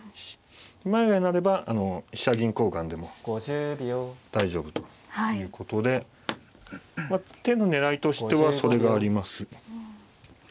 二枚替えになれば飛車銀交換でも大丈夫ということでまあ手の狙いとしてはそれがあります。